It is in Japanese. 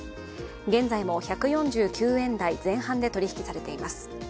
現在も１４９円台前半で取引されています。